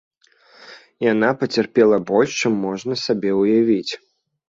Яна пацярпела больш, чым можна сабе ўявіць.